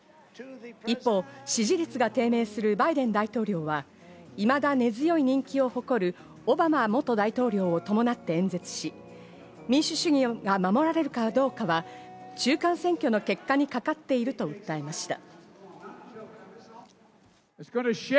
一方、支持率が低迷するバイデン大統領は、いまだ根強い人気を誇るオバマ元大統領を伴って演説し、民主主義が守られるかどうかは中間選挙の結果にかかっていると訴えました。